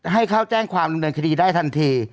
ให้เขาแจ้งความดำเนินคดีได้ทันที